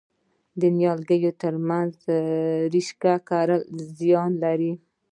د نیالګیو ترمنځ رشقه کرل زیان لري؟